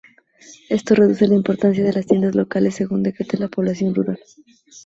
Esto reduce la importancia de las tiendas locales según decrece la población rural.